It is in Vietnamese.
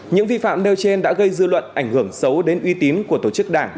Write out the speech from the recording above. những vi phạm nêu trên đã gây dư luận ảnh hưởng xấu đến uy tín của tổ chức đảng